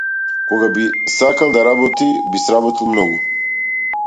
Кога би сакал да работи би сработил многу.